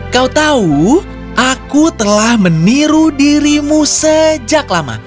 kau tahu aku telah meniru dirimu sejak lama